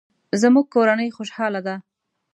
زموږ کورنۍ خوشحاله ده